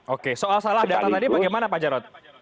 oke soal salah data tadi bagaimana pak jarod